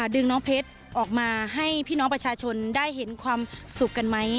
ดึงน้องเพชรออกมาให้พี่น้องประชาชนได้เห็นความสุขกันไหม